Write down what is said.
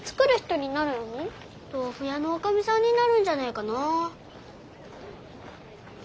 豆腐屋のおかみさんになるんじゃねえかなあ。